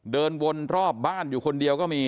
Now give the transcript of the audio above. เดินวนรอบบ้านอยู่คนเดียวก็มี